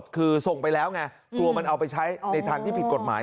คือยืนยันตัวตนเพราะเราให้เลขบัญชีผิดเป็นไปไม่ได้